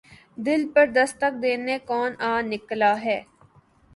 دل پر دستک دینے کون آ نکلا ہے